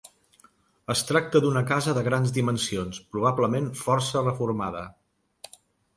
Es tracta d'una casa de grans dimensions, probablement força reformada.